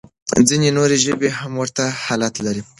ځينې نورې ژبې هم ورته حالت لري.